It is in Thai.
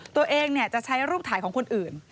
ตัวเองจะใช้รูปถ่ายของคนอื่น